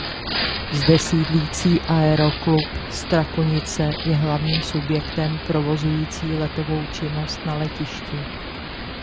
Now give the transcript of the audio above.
Zde sídlící aeroklub Strakonice je hlavním subjektem provozující letovou činnost na letišti.